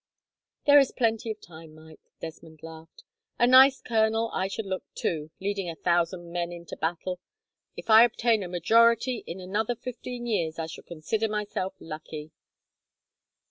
"There is plenty of time, Mike," Desmond laughed. "A nice colonel I should look, too, leading a thousand men into battle. If I obtain a majority in another fifteen years, I shall consider myself lucky."